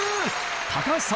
高橋さん